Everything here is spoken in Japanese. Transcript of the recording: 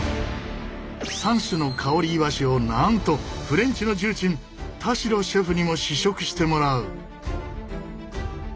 ３種の香りイワシをなんとフレンチの重鎮田代シェフにも試食してもらう！